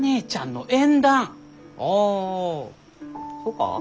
あそうか？